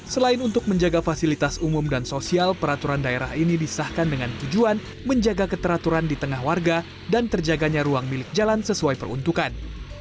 selain untuk menjaga fasilitas umum dan sosial peraturan daerah ini disahkan dengan tujuan menjaga keteraturan di tengah warga dan terjaganya ruang milik jalan sesuai peruntukan